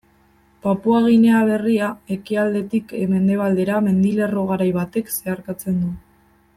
Papua Ginea Berria ekialdetik mendebaldera mendilerro garai batek zeharkatzen du.